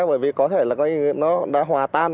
bởi vì có thể là nó đã hòa tan